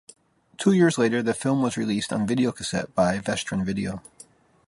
Two years later, the film was released on video cassette by Vestron Video.